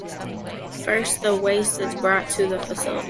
First, the waste is brought to the facility.